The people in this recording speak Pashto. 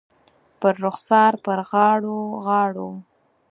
پر رخسار، پر غاړو ، غاړو